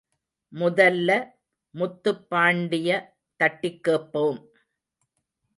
முதல்ல முத்துப்பாண்டிய தட்டிக் கேப்போம்.